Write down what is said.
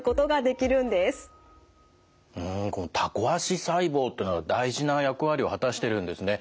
このタコ足細胞っていうのは大事な役割を果たしてるんですね。